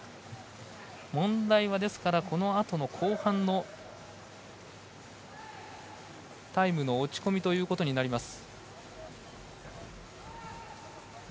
問題は、このあとの後半のタイムの落ち込みとなります。